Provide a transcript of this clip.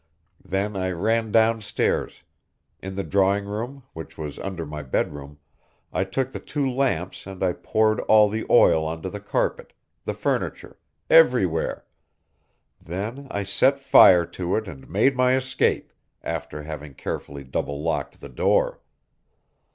Then I ran downstairs; in the drawing room, which was under my bedroom, I took the two lamps and I poured all the oil onto the carpet, the furniture, everywhere; then I set fire to it and made my escape, after having carefully double locked the door.